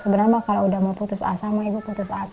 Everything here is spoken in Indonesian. sebenarnya mbak kalau udah mau putus a sama ibu putus asa